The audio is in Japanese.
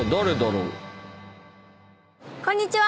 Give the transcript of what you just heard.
こんにちは！